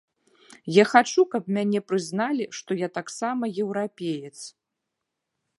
Я хачу, каб мяне прызналі, што я таксама еўрапеец.